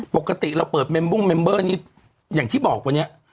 ปกติเราเปิดเมมเบิ้ลอย่างที่บอกวันนี้